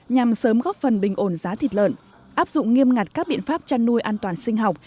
nhằm sớm góp phần bình ổn giá thịt lợn áp dụng nghiêm ngặt các biện pháp chăn nuôi an toàn sinh học